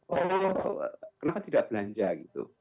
oh kenapa tidak belanja gitu